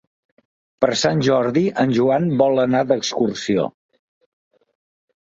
Per Sant Jordi en Joan vol anar d'excursió.